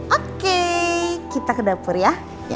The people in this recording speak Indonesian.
oke kita ke dapur ya